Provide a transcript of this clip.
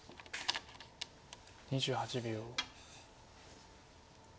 ２８秒。